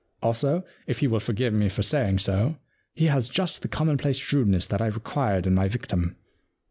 Also, if he will forgive me for saying so, he has just the commonplace shrewdness that I required in my victim.